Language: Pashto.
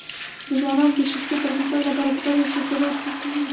د ځوانانو د شخصي پرمختګ لپاره پکار ده چې ارتباط ښه کړي.